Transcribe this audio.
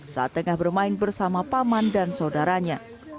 saat tengah bermain bersama paman dan saudaranya